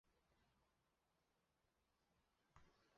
涩荠为十字花科涩荠属下的一个种。